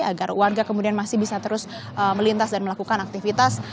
agar warga kemudian masih bisa terus melintas dan melakukan aktivitas